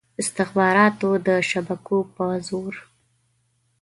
استخباراتو د شبکو په زور.